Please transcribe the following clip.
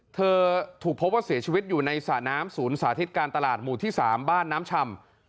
เธอถูกพบว่าเสียชีวิตอยู่ในสระน้ำศูนย์สาธิตการตลาดหมู่ที่๓บ้านน้ำชำ